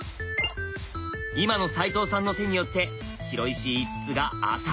今の齋藤さんの手によって白石５つがアタリに。